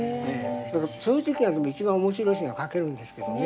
そういう時は一番面白い詩が書けるんですけどね。